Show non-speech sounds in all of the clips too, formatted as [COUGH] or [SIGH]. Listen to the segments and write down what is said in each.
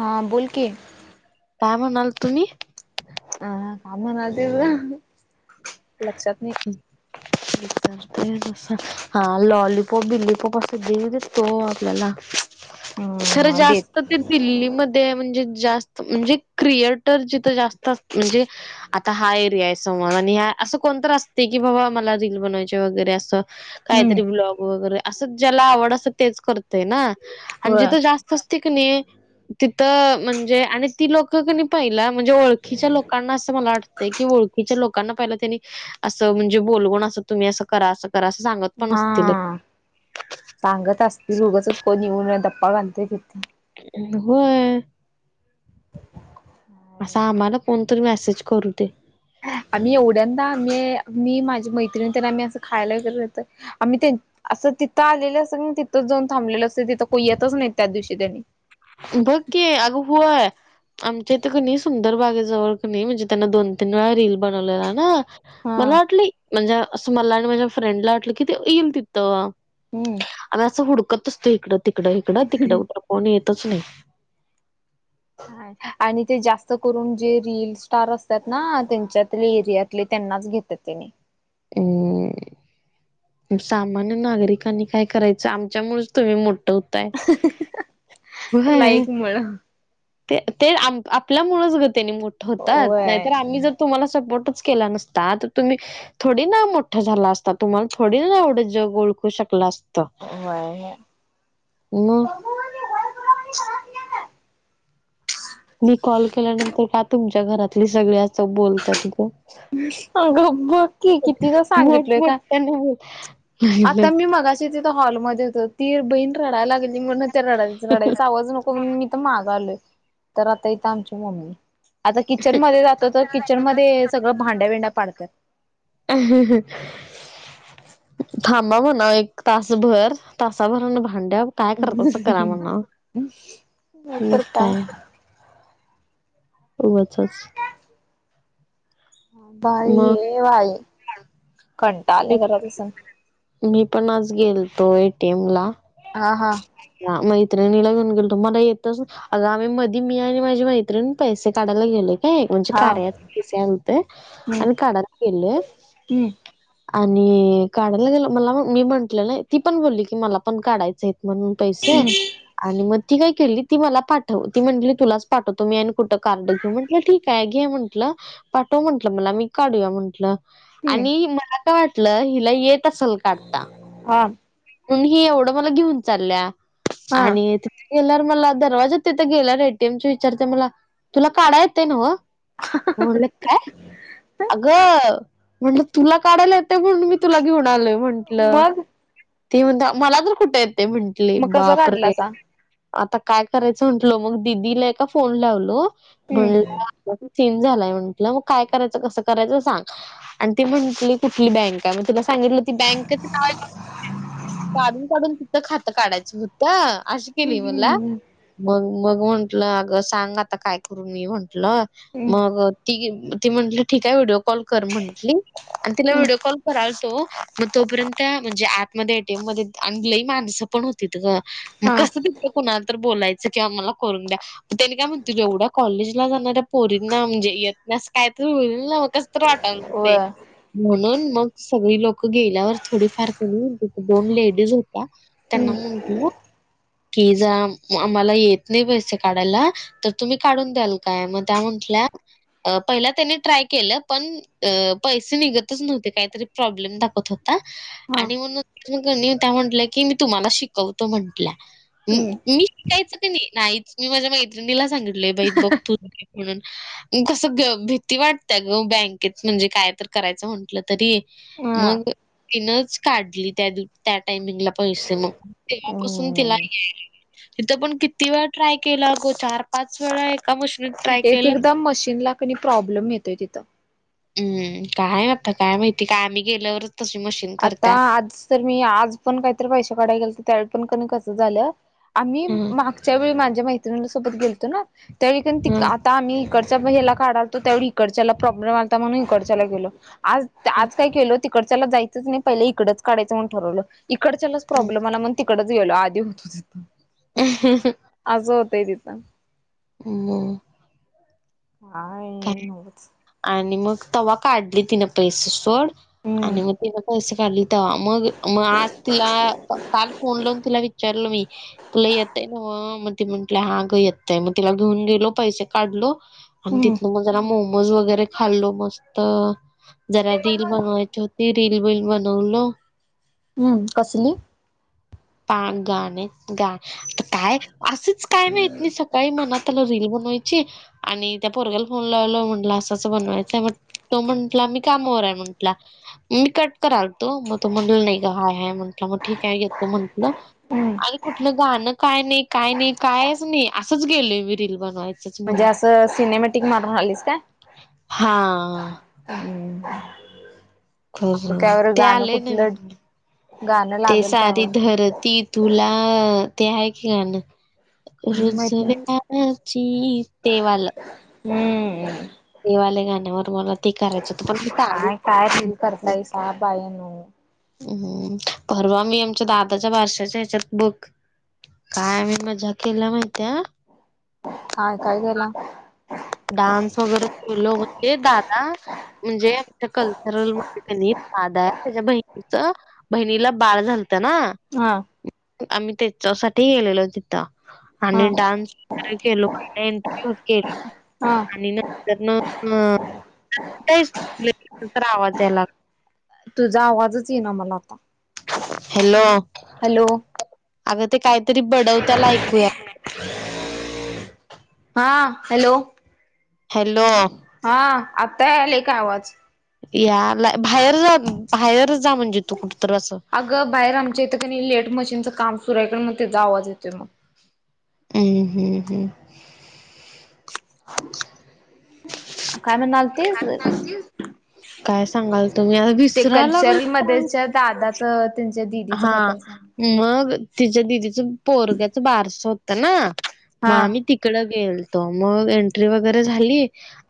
हां, बोल की. काय म्हणाला तुम्ही? काय म्हणाले [UNINTELLIGIBLE] लक्षात नाही. [UNINTELLIGIBLE] तरीच असा, लॉलीपॉप बिल्लीपॉप असं देऊ देततो आपल्याला. खरं हम्म देत जास्त पी दिल्लीमध्ये म्हणजे जास्त म्हणजे क्रिएटर जिथं जास्त म्हणजे आता हा एरिया आहे. संवाद आणि हया असं कोण तरी असते की बाबा मला रील बनवायचे वगैरे असं, हम्म काहीतरी ब्लॉग वगैरे असं ज्याला आवड असं तेच करतय ना, आणि होय. जिथं जास्त असते की नाही तिथं म्हणजे आणि ती लोकं की न पहिला म्हणजे ओळखीच्या लोकांना असं मला वाटत की ओळखीच्या लोकांना पाहिलं त्यांनी असं म्हणजे बोलवून असं तुम्ही असं करा सांगते. [UNINTELLIGIBLE] हां.. सांगत असतील उगाचच कोणी येवून गप्पा घालतं य तिथं. व्हय. असं, आम्हाला कोणतरी मेसेज करू दे. आम्ही एवढ्यांदा आम्ही, मी माझी मैत्रिणी तर आम्ही असं खायला गेलेलो तर आम्ही असं तिथं आलेलं असंन, तिथंच जाऊन थांबलेलं असतं, तिथं कोण येतच नाही त्या दिवशी त्यांनी. बघ की, अगो! व्हय. आमच्या इथं की नहीं, सुंदर बागेजवळ की नहीं म्हणजे त्यांना दोन तीन वेळा रील बनवलेला ना! हा मला वाटलं, म्हणजे असं मला आणि माझ्या फ्रेंडला वाटलं कि ते ईल तिथं. हम्म. आम्ही असं हुडकत असतोय, इकडं तिकडं इकडं तिकडं खरं कोन येतच नाही. हा, आणि ते जास्त करून जे रिल स्टार असत्यात ना त्यांच्यातले एरियातले त्यांनाच घेत त्यात तनी. अं सामान्य नागरिकांनी काय करायचं, आमच्यामुळंच तुम्ही मोठं हु ताय, व्हय वळळं ते ते आपल्या मुळच ग त्यांनी मोठं होतात, नाही होय तर आम्ही जर तुम्हाला सपोर्टच केला नस आता तुम्ही थोडी ना मोठा झाला असता, तुम्हाला थोडी ना एवढं जग ओळखू शकलं अस होय म मग मी कॉल केल्यानंतर का तुमच्या घरातली सगळी असं बोलत्यात ग? अग बघ की, कितीदा सांगितलोय काय, मोठमोठ्याने बोल आता मी मगाशी हॉलमध्ये हुतो, ती बहीण रडाय लागली. नि म्हणून ते रडायच रडायचा आवाज नको म्हणून मी इथं मागं आलोय. तर आता इथं आमची मम्मी, आता किचन मध्ये जातय तर किचन मध्ये सगळं भांड्या भिंड्या पाडत्या. अ हं हं थांबा म्हणावं एक तासभर, तासाभरान भांड्याव काय करतासा करा म्हणाव, मग काय. उगचच. बाई मग ये बाई, कंटाळ मी आलाय घरात बसून. मी पण आज गेलतो एटीएम ला हा हा. हा, मैत्रणीला घेऊन गेलतो मला येतच अग आम्ही मधी मी आणि माझी मैत्रिण पैसे काढायला गेलय नाही म्हणजे हा कार्याच पैसे आलतं हम्म आणि काढायला गेलोय हम्म आणि काढायला गेलो मला मी म्हंटलं नाय, ती पण बोलली की मला पण काढायचं आहेत म्हणून पैसे हम्म आणि मग ती काय केली ती मला पाठव, ती म्हटली तुलाच पाठवतो मी आणि कुठं कार्ड घे म्हटलं ठीक हाय घे म्हटलं, पाठव म्हटलं मला मी काढूया म्हटलं. हम्म आणि मला काय वाटलं, हिला येत असल काढता. हां. म्हणून ही एवढं मला घेऊन चालल्या, हा आणि ति गेल्यावर मला दरवाजा तिथं गेल्यावर एटीएम च्या विचारत्या मला, तुला काढाय येतय न्हवं? मी म्हंट काय? अगं! म्हटलं तुला काढायला येतंय म्हणून मी तुला घेऊन आलोय म्हंटलं,, मग ती म्हणत्या मला तर कुठ येतय म्हंटली, मग कसं बापरे! काढलासा आता काय करायचं म्हटलो, मग दिदीला एका फोन लावलो, एक म्हणलं सीन झालाय म्हंटलं, मग काय करायचं कसं करायचं सांग, आणि ती म्हंटली कुठली बँक काय म तिला सांगितलं ती बँकच नाव ऐकून, काढून काढून तिथं खातं काढायच हु तं अशी केली मला, मग मग म्हंटलं अग सांग आता काय करू मी म्हण म्हंटलं, मग ती ती म्हंटली ठीक आहे व्हिडिओ कॉल कर म्हंटली आणि तिला व्हिडिओ कॉल करालतो, मग तोपर्यंत म्हणजे आतमध्ये एटीएम मध्ये, अन लई माणसं पण होतीत गं, मग कसं ति कुणाला तर बोलायचं किंवा आमाला करून द्या त्यांनी काय म्हणतील, एवढ्या कॉलेजला जाणाऱ्या पोरींना म्हणजे येत नाय असं काय तर होईल ना, म कस तर वाटालत ते, म्हणून मग सगळी लोकं गेल्यावर थोडी फार म्हणून तिथं दोन लेडीज होत्या, त्यांना म्हंटलं प्लीज आम्हाला येत नाही पैसे काढायला तर तुम्ही काढून द्याल काय, मग त्या म्हंटल्या पहिला त्यांनी ट्राय केलं पण अ पैसे निघतच नव्हते, काहीतरी प्रॉब्लेम दाखवत होता. आणि मग नंतर न क नही त्या म्हंटल्या, की मी तुम्हाला शिकवतो म्हटल्या, मी कायईचं क नाही, नाहीचं,, मी माझ्या मैत्रिणीला सांगितलोय बाई बघ तूं. म्हणून,, कसं भीती वाटत्या गं बँकेतं म्हणजे कायं तर करायचं म्हंटलं. तरी, मग तीनचं. काढली त्या -त्या टायमिंगला पैसे मग, तेव्हापासून तिलां. यायलय- - तिथं पणं किती वेळ ट्रायं केला अगं चार -पाच वेळा एका मशी. एकएकदा मशीनं ला क णी प्रॉंब्लेम येतोयं तिथं. हम्मं, काय आता हाय काय माहिती, कां आंम्ही गेल्यावर. - तशी मशीन.. आता करत्या. आज तर मी, आंज पणं काहीतरी पैसे काढाय गेलतो तर त्यावेळी पण कम तसच झालं. आम्ही हं, मागच्या वेळी माझ्या मैत्रिणी सोबत गेलतो ना, त्यावेळी की नाही तिथं हं, आत आम्ही इकडच्या ह्याला काढालतो त्यावर इकडच्याला प्रॉब्लेम आलाता म्हणून इकडच्याला गेलो आज आज काय केलो,, तिकडच्याला जायचंच नाही पहिलं इकडच काढायचं म्हणून ठरवलो. इकडच्यालाच हं, प्रॉब्लेम आला मग तिकडच गेलो, आधी होतो तिथं अ हहह असं होतय तिथं. म काय नव्हचं. आणिं मग तेवा काढली तिनं पैसे सोडं, हम्म. आणि मगं तिन पैसे काढली. तवां मगं- मगं आजं तिला, कालं फोन लावून तिला विचारलो मी तुला येतय नवं, मगं ती म्हंटली हा गं येतय,, मगं तिला घेऊन गेलो पैसे काढलो. आणि हम्म्म्. - तिथनं मग जरा मोमोज वगैरे खांल्लो मस्तं, जरा रील बनवायची होती. रीलबिल बनवलो हम्म कसली? पां गाणें. गां आ कायं? असचं काय माहित नी सकाळी मनात आलं रील बनवायची आणि त्या पोरग्याला फोनं लाव-लावं म्हंणलं असंच बनवायचंय हाय, मग तो म्हटला मी कामावर हाय म्हटलां. मी कट कराल. - तो मग तो म्हटला नाही गं हाय-हाय म्हंटला,, मग ठीक आहे येतो म्हटलं. हम्म कुठलं गाणं कायनाही, काय नाही कायचं नाही, असंच गेलोय मी रील बनवायला म्हणजे असं सिनेमॅटिक मारून आलीस काय? हांआआआ. हम्म खरचं ते आलय नवीन, गाणं ते लागल त्यावर सारी धरत ती तुलाअं, ते हाय की गाणं- - काय रुज माहित नाही. व्याची ते वालं. - हंम्म्. ते वाल्या गाण्यावर मलां ते करायचं होतं, पणं मी साडी काय काय रील करतायसा बायानो हम्म, परवा मी आमच्या दादाच्या बारशाच्या ह्याच्यात बघ. - काय आम्ही मजा केल्या माहितय- - काय काय केला? डान्सं वगैरे केलो, म्हणजे दांदां म्हणजे आमच्या कल्चंरल - दांदांय, त्याच्या बहिणीचं बहिणीला बाळ झालतं नां. - हांं आंम्ही त्यांंच्यासाठी गेलेलो तिथं, हा आणि डांन्स केोटेत [UNINTELLIGIBLE] हा. आणि नंतर नं कुठं आवाज यायलागं. तुझा आवाजचंं ईनां मला आता. हॅलो! हॅलो! अगं ते काहीतरी बडंव त्यालं ऐकूया हां हॅलो! हॅलो! हां, आत्ता यालय काय आवाज! यालाय, बाहेर जा बाहेर जा म्हणजे तू कुठ तर असं अगं बाहेर आमच्या इथं कणी लेट मशीनचं काम सुरू हाय गं मग तेजा आवाज येतोय मग. अं हं हं काय म्हणालतीस? कायं सांगालतो मी आता ते विसराय कल्चरल लागलो मध्येच्या दादाचं त्यांच्या दिदीचं हा कायतर मग, तिच्या दिदीचं पोरग्याचं बारस होतं नां, म हा आमी ती तिकडं गेलतो, मग एंट्री वगैरे झाली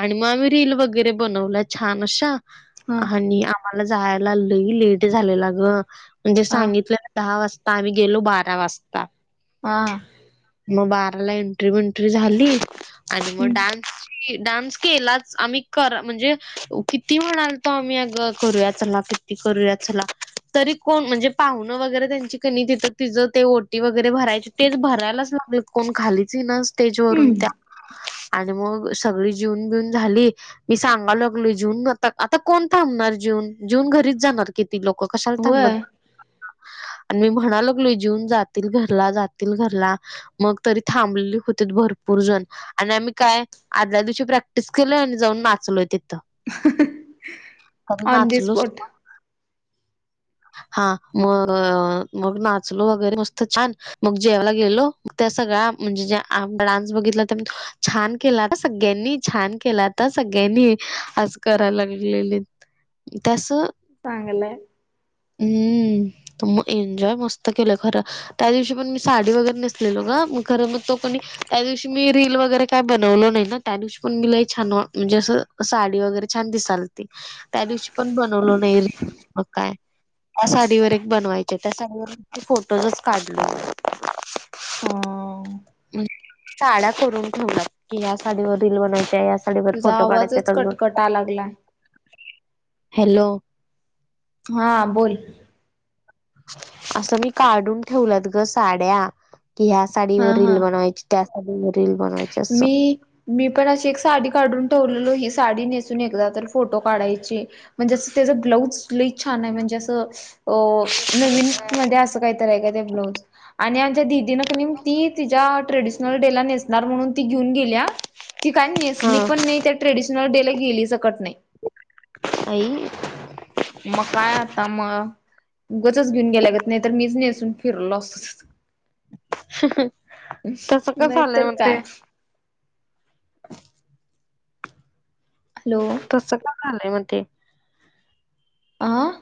आणि मग आम्ही रील वगैरे बनवल्या छान अशा हा आणि आम्हाला जायला लय लेट झालेला ग, म्हणजे हा सांगितलं दहा वाजता, आम्ही गेलो बारा वाजता. हां मग बाराला एंट्री बंट्री झाली, आणि मग हम्म डान्स डान्स केलाच आम्ही कर म्हणजे किती म्हणालतो आम्ही अगं, करूया चला क करूया चला. तरी कोण म्हणजे, पाहुण वगैरे त्यांची कनि तिथं तिज ते ओटी वगैरे भरायची, तेच भरायलाच लागल कोण खालीच ईना स्टेज वरून त्या, हम्म आणि मग सगळी जिऊन बिऊन झाली, मी सांगा लागलोय जेऊन घेता का, आता कोण थांबणार जीऊन, जीऊन घरीच जाणार कि ती लोकं कशाला थांबत व्हय आणि मी म्हणा लागलोय जीऊन जातील घरला जातील घरला मग तरी थांबली होतीत भरपूर जणं आणि आम्ही काय, आदल्या दिवशी प्रॅक्टिस केलौय आणि जाऊन नाचलोय तिथं. अं हं हं कारण ऑन द नाचलोच स्पॉट. हा म अ मग नाचलो वगैरे मस्त छान. मग जेवला गेलो, त्या सगळ्या म्हणजे ज्या डान्स बघितला त्यानी छान केलाता सगळ्यांनी, छान केलाता सगळ्यांनी, असं करा लागलेली. तसं चांगलय. हुं! तुमी एंजॉय मस्त केलंय खरं. त्या दिवशी पण मी साडी वगैरे नेसलेलो गं मग खर मग तो पण. त्या दिवशी मी रील वगैरे काही बनवलो नाही ना. त्या दिवशी पण मी लई छान म्हणजे असं साडी वगैरे छान दिसाल होती. त्या दिवशी पण बनवलो नाही रिल. काय, त्या साडीवर एक बनवायचं त्या साडीवर फोटोच काढले नाय. अं.. साड्या करून ठेवल्यात कि या साडीवं रील बनवायची या सा साडीवर तुझा फोटो काढायचेत आवाजच अजून. कटकटा लागलाय. हॅलो! हा बोल. असं मी काढून ठेवल्यात गं साड्या, की ह्या हा साडीवर रील हा बनवायची. त्या साडीवं रील बनवायची असं. मी मी पण अशी एक साडी काढून ठेवलेलो, ही साडी नेसून एकदा तर फोटो काढायचे. म्हणजे असं तेजं ब्लाऊज लय छानयं म्हणजे असं तो, नवीन मध्ये असं काय तरी हाय काय ते ब्लाऊज. आणि आमच्या दिदीनं पण ती तिज्या ट्रेडिशनल डे ला नेसणार म्हणून ती घिऊन गेलीया. ती काय नेसली हां. पण नाही, त्या ट्रेडिशनल डे ला गेली सकट नाही. आई मग काय आता म. उगचंच घेऊन गेल्या गत नाही तर मीच नेसून फिरलो अस तस नाय तर काय.. हॅलो! तसं काय झालंय म्हणते? अं?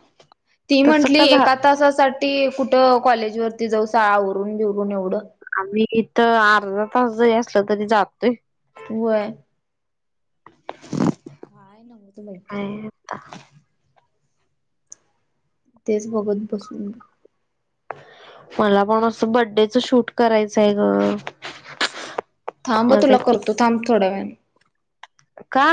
ती तसं म्हंटली का एका झालं तासासाठी कुठं कॉलेज वरती जाऊ, स आवरून बिवरून एवढं. आम्ही इथं अर्धा तास जरी असला तरी जातो. व्हय. काय न्हवंतं लई. अनिता. तेच बगत बसून मला पण असं बड्डेच शूट करायचंय गं. थांब अ तुला करतो, थांब, थोड्या वेळानी. का?